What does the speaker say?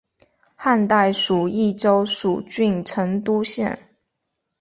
汉代属益州蜀郡成都县。